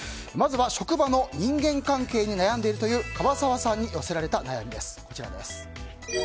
職場の人間関係に悩んでいるという樺沢さんに寄せられた悩みです。